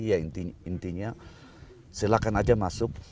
ya intinya silakan aja masuk